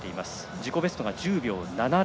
自己ベストが１０秒７０。